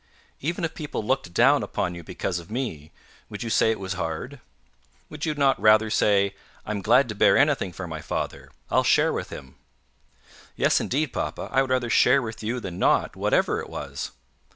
Even if people looked down upon you because of me, would you say it was hard? Would you not rather say, 'I'm glad to bear anything for my father: I'll share with him'?" "Yes, indeed, papa. I would rather share with you than not, whatever it was."